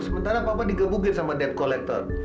sementara papa digebukin sama debt collector